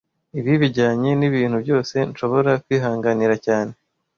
Ibi bijyanye nibintu byose nshobora kwihanganira cyane